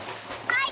はい！